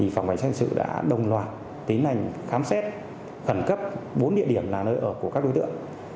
phòng bánh xét sự đã đồng loạt tiến hành khám xét khẩn cấp bốn địa điểm là nơi ở của các đối tượng